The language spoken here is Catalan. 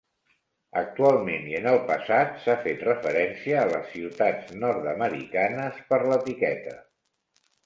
Actualment i en el passat s'ha fet referència a les ciutats nord-americanes per l'etiqueta.